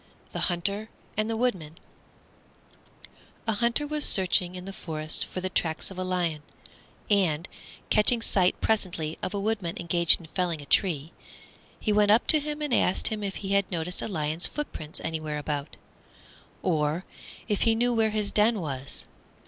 THE HUNTER AND THE WOODMAN A Hunter was searching in the forest for the tracks of a lion, and, catching sight presently of a Woodman engaged in felling a tree, he went up to him and asked him if he had noticed a lion's footprints anywhere about, or if he knew where his den was.